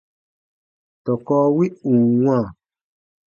Tɔkɔ wi ù n wãa,